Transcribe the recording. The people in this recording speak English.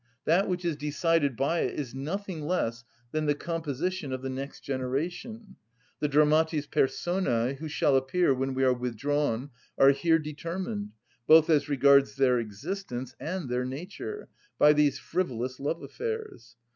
That which is decided by it is nothing less than the composition of the next generation. The dramatis personæ who shall appear when we are withdrawn are here determined, both as regards their existence and their nature, by these frivolous love affairs.